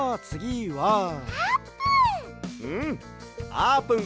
あーぷん！